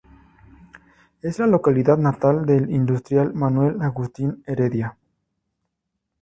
Es la localidad natal del industrial Manuel Agustín Heredia.